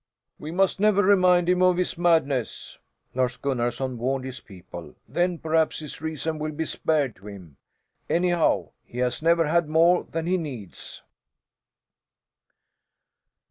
"We must never remind him of his madness," Lars Gunnarson warned his people, "then perhaps his reason will be spared to him. Anyhow, he has never had more than he needs."